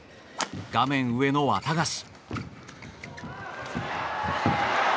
画面上のワタガシ。